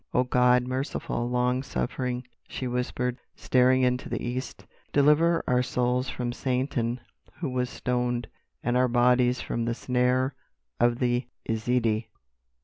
—O God, merciful, long suffering," she whispered, staring into the East, "deliver our souls from Satan who was stoned, and our bodies from the snare of the Yezidee!"